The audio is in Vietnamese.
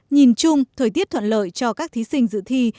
nhìn chung thời tiết thuận lợi cho các thí sinh dự thi